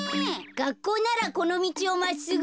がっこうならこのみちをまっすぐ。